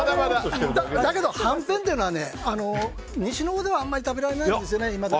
だけどはんぺんっていうのは西のほうではあまり食べられないんですよね。